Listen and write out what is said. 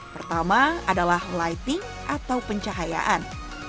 pertama adalah lighting atau pencahayaan